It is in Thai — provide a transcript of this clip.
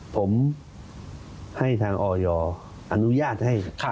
ผมให้ทางออยอนุญาตให้